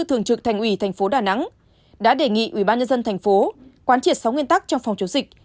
thương trực thành ủy tp đà nẵng đã đề nghị ubnd tp quán triệt sáu nguyên tắc trong phòng chống dịch